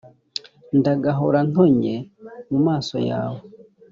ndagahora ntonnye mu maso yawe